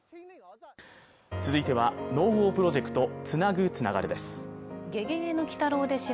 続いては「ＮＯＷＡＲプロジェクトつなぐ、つながる」です